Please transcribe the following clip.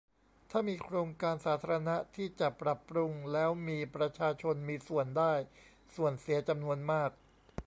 ถ้ามีโครงการสาธารณะที่จะปรับปรุงแล้วมีประชาชนมีส่วนได้ส่วนเสียจำนวนมาก